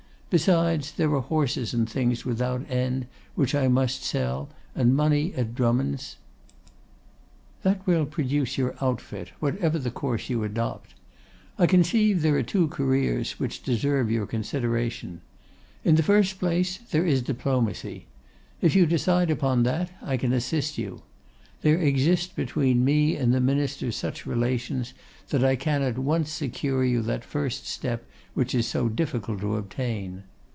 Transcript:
Besides, there are horses and things without end which I must sell, and money at Drummonds'.' 'That will produce your outfit, whatever the course you adopt. I conceive there are two careers which deserve your consideration. In the first place there is Diplomacy. If you decide upon that, I can assist you. There exist between me and the Minister such relations that I can at once secure you that first step which is so difficult to obtain.